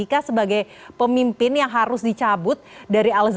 eka sebagai pemimpin yang harus dicabut dari al zaitun